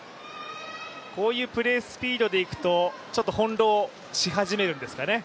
こういうプレースピードでいくとほんろうし始めるんですかね？